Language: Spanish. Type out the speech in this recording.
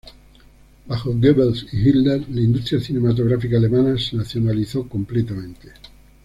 Bajo Goebbels y Hitler, la industria cinematográfica alemana se nacionalizó completamente.